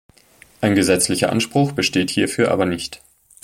Ein gesetzlicher Anspruch besteht hierfür aber nicht.